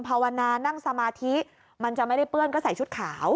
ภาวนานั่งสมาธิมันจะไม่ได้เปื้อนก็ใส่ชุดขาว